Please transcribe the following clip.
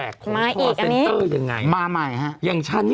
ของโทรเซ็นเตอร์ยังไง